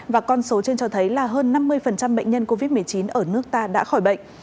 và con số trên cho thấy là hơn năm mươi bệnh nhân covid một mươi chín ở nước ta đã khỏi bệnh